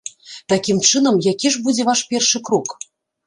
Такім чынам, які ж будзе ваш першы крок?